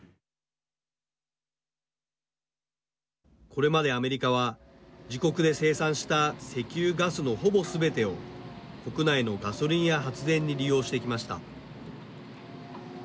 これまでアメリカは自国で生産した石油・ガスのほぼすべてを国内のガソリンや発電に利用してきました。